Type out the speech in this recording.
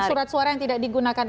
surat suara yang tidak digunakan